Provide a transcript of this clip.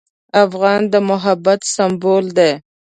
افغان د محبت سمبول دی.